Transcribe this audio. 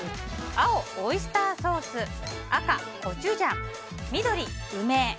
青、オイスターソース赤、コチュジャン緑、梅。